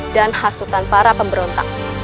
dan hasutan para pemberontak